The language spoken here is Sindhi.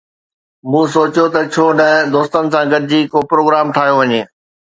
مون سوچيو ته ڇو نه دوستن سان گڏجي ڪو پروگرام ٺاهيو وڃي